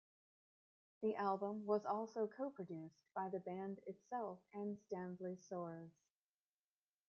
The album was also co-produced by the band itself and Stanley Soares.